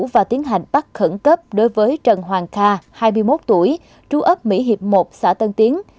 và tiến hành bắt khẩn cấp đối với trần hoàng kha hai mươi một tuổi trú ấp mỹ hiệp một xã tân tiến